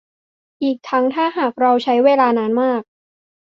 อีกทั้งถ้าหากเราใช้เวลานานมาก